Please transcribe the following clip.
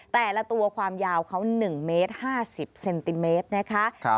แต่ละตัวความยาวเขา๑เมตร๕๐เซนติเมตรนะคะ